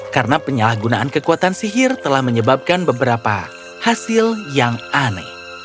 karena penyalahgunaan kekuatan sihir telah menyebabkan beberapa hasil yang aneh